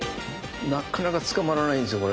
なかなか捕まらないんですよ